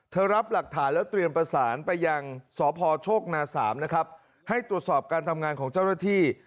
เธอรับหลักฐานและเตรียมประสานไปยังสภโชคน๓ให้ตรวจสอบการทำงานของเจ้าหน้าที่